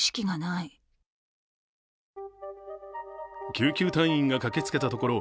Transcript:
救急隊員が駆けつけたところ